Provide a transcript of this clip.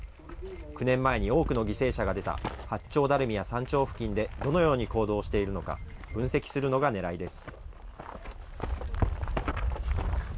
９年前に多くの犠牲者が出た八丁ダルミや山頂付近でどのように行動しているのか、分析するのがねらいです。